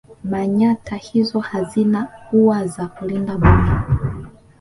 Manyatta hizo hazina ua za kulinda boma